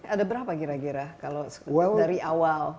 ada berapa kira kira kalau dari awal